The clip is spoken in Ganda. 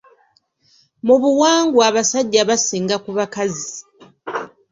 Mu buwangwa abasajja basinga ku bakazi.